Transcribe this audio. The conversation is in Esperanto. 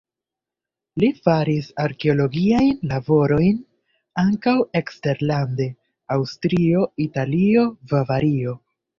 Li faris arkeologiajn laborojn ankaŭ eksterlande: Aŭstrio, Italio, Bavario.